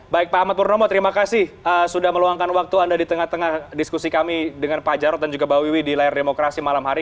baik pak ahmad purnomo terima kasih sudah meluangkan waktu anda di tengah tengah diskusi kami dengan pak jarod dan juga mbak wiwi di layar demokrasi malam hari